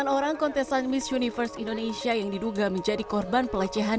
delapan orang kontesan miss universe indonesia yang diduga menjadi korban pelecehan